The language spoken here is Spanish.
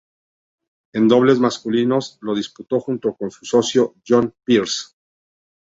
En dobles masculinos, lo disputó junto a su socio John Peers.